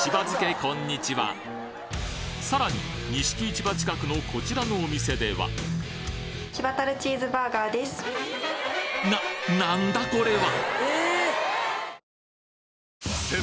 こんにちはさらに錦市場近くのこちらのお店ではななんだこれは！？